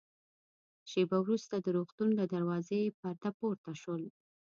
شېبه وروسته د روغتون له دروازې پرده پورته شول.